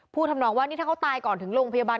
ทำนองว่านี่ถ้าเขาตายก่อนถึงโรงพยาบาล